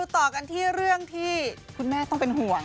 ต่อกันที่เรื่องที่คุณแม่ต้องเป็นห่วง